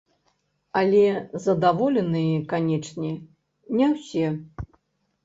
Але задаволеныя, канечне, не ўсе.